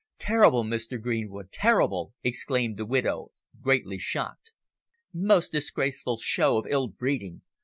Terrible, Mr. Greenwood, terrible," exclaimed the widow, greatly shocked. "Most disgraceful show of ill breeding!